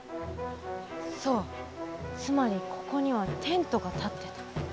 そうつまりここにはテントがたってた。